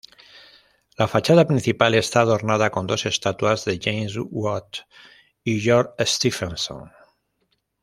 La fachada principal está adornada con dos estatuas de James Watt y George Stephenson.